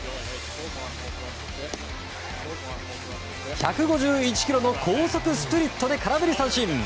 １５１キロの高速スプリットで空振り三振。